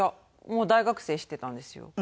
もう大学生してたんですよ。